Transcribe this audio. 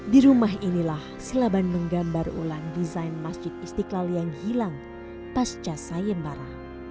di rumah inilah silaban menggambar ulang desain masjid istiqlal yang hilang pasca sayembara